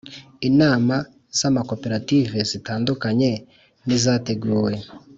Inama z Amakoperative zitandukanye n izateguwe